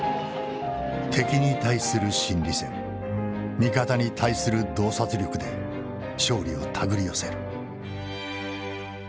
敵に対する心理戦味方に対する洞察力で勝利を手繰り寄せる。